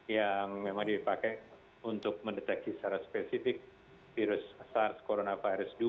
yang memang dipakai untuk mendeteksi secara spesifik virus sars coronavirus dua